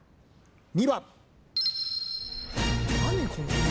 ２番。